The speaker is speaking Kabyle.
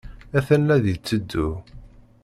Atan la d-yetteddu.